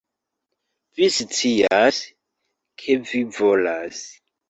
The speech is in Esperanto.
Vi scias, ke vi volas